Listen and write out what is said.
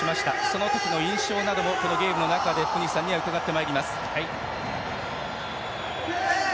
その時の印象などもこのゲームの中で福西さんには伺ってまいります。